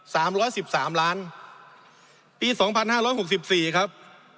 สามร้อยสิบสามล้านปีสองพันห้าร้อยหกสิบสี่ครับ